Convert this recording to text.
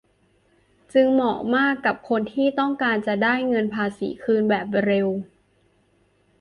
จึงเหมาะมากกับคนที่ต้องการจะได้เงินภาษีคืนแบบเร็ว